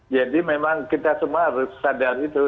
jadi memang kita semua harus sadar itu